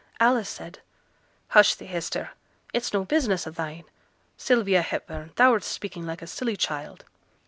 Alice said, 'Hush thee, Hester. It's no business o' thine. Sylvia Hepburn, thou'rt speaking like a silly child.'